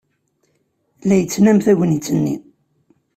La yettnam tagnit-nni.